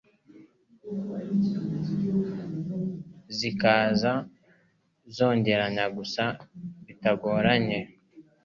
zikaza zongeranya gusa bitagoranye